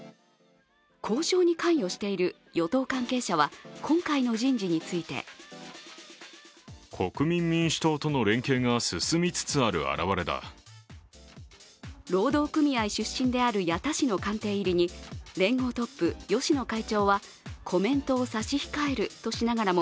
交渉に関与している与党関係者は今回の人事について労働組合出身である矢田氏の官邸入りに連合トップ・芳野会長はコメントを差し控えるとしながらも